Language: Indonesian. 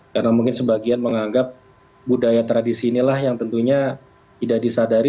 karena mungkin sebagian menganggap budaya tradisi inilah yang tentunya tidak disadari